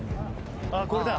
ああこれだ。